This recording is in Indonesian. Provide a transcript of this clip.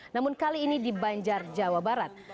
namun kali ini di banjar jawa barat